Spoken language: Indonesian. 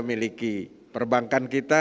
miliki perbankan kita